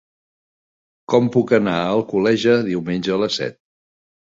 Com puc anar a Alcoleja diumenge a les set?